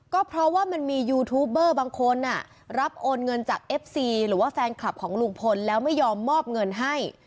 ก็เพราะว่ามันมียูทูบเบอร์บางคนรับโอนเงินจากเอฟซีหรือว่าแฟนคลับของลุงพลแล้วไม่ยอมมอบเงินให้